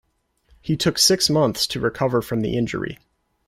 He took six months to recover from the injury.